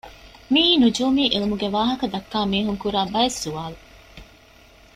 މިއީ ނުޖޫމީ ޢިލްމުގެ ވާހަކަ ދައްކާ މީހުން ކުރާ ބައެއް ސުވާލު